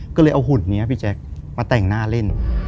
ก็เลยเอาหุ่นนี้พี่แจ๊คมาแต่งหน้าเล่น